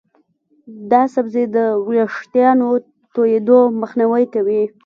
دا سبزی د ویښتانو تویېدو مخنیوی کوي.